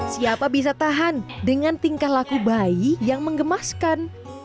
siapa bisa tahan dengan tingkah laku bayi yang mengemaskan